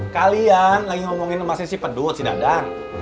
kalian lagi ngomongin emasnya si pedut si dadar